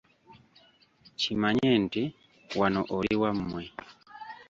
Kimanye nti wano oli wammwe.